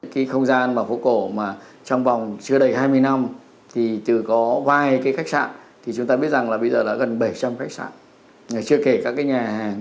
chúng ta biết rằng bây giờ là gần bảy trăm linh khách sạn chưa kể các nhà hàng chưa kể các dịch vụ khác